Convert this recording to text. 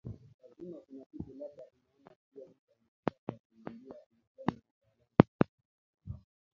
lazima kuna kitu labda unaona siyo muda muafaka kunambia alisema mtaalamu huku akisimama